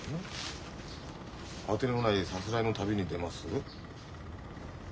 「当てのないさすらいの旅に出ます」？